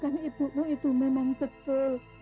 dan ibu itu memang betul